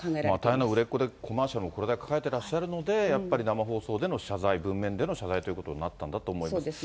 大変な売れっ子で、コマーシャルもこれだけ抱えてらっしゃるので、やっぱり生放送での謝罪、文面での謝罪ということになったんだと思います。